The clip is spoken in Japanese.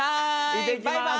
行ってきます！